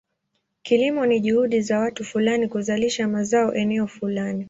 Kilimo ni juhudi za watu fulani kuzalisha mazao eneo fulani.